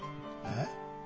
えっ？